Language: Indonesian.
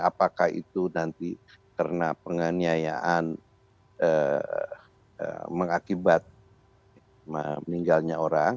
apakah itu nanti karena penganiayaan mengakibat meninggalnya orang